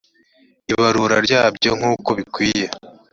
ibarura ryabyo nk uko bikwiye